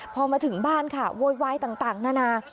พอมาถึงบ้านค่ะโวยวายต่างนานา